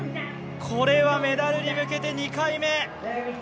これは、メダルに向けて２回目。